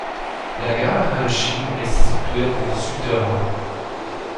La gare Hanshin est située en souterrain.